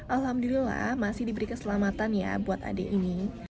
alhamdulillah masih diberi keselamatan ya buat adik ini